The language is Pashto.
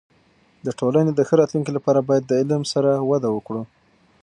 د ټولنې د ښه راتلونکي لپاره باید د علم سره وده وکړو.